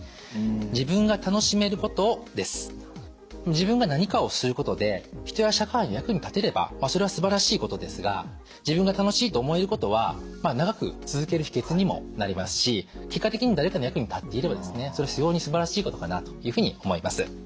２つ目は自分が何かをすることで人や社会の役に立てればそれはすばらしいことですが自分が楽しいと思えることは長く続ける秘けつにもなりますし結果的に誰かの役に立っていればですね非常にすばらしいことかなというふうに思います。